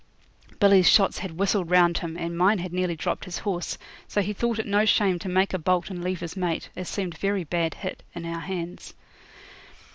Billy's shots had whistled round him, and mine had nearly dropped his horse, so he thought it no shame to make a bolt and leave his mate, as seemed very bad hit, in our hands.